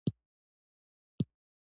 د غویي ژبه یو ډول غرنی بوټی دی